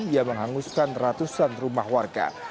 yang menghanguskan ratusan rumah warga